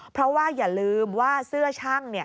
เพราะว่าอย่าลืมว่าเสื้อชั่ง